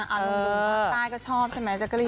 อ๋อหนุ่มภาคใต้ก็ชอบใช่ไหมแจ๊กกะลีน